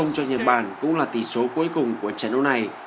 cho nhật bản cũng là tỷ số cuối cùng của trận đấu này